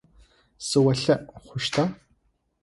Сыолъэӏу хъущта?